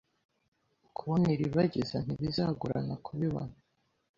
Kubona Iribagiza ntibizagorana kubibona.